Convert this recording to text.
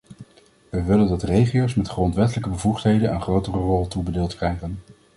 We willen dat regio's met grondwettelijke bevoegdheden een grotere rol toebedeeld krijgen.